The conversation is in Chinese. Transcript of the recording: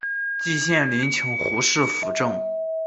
季羡林请胡适斧正。